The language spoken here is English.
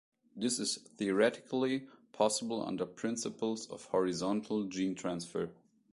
This is theoretically possible under principles of horizontal gene transfer.